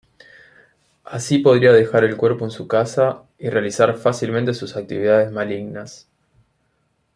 Así podría dejar el cuerpo en su casa y realizar fácilmente sus actividades malignas.